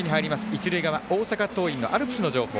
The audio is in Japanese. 一塁側大阪桐蔭のアルプスの情報